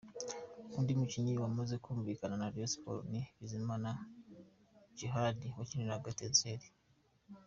Undi mukinnyi wamaze kumvikana na Rayon Sports ni Bizimana Djihad wakiniraga Etincelles.